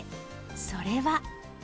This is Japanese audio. それは。